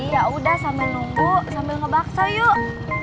yaudah sambil nunggu sambil ngebaksa yuk